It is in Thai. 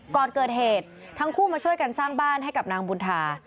ก่อนเกิดเหตุทั้งคู่มาช่วยกันสร้างบ้านให้กับนางบุญธา